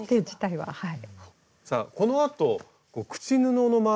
はい。